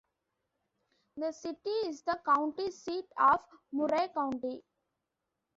The city is the county seat of Murray County.